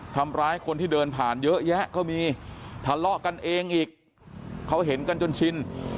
ทำร้ายคนที่เดินผ่านเยอะแยะก็มีทะเลาะกันเองอีกเขาเห็นกันจนชิน